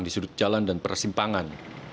di sudut jalan dan persimpangan